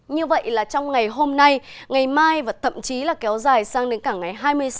như vậy là trong ngày hôm nay ngày mai và thậm chí là kéo dài sang đến cả ngày hai mươi sáu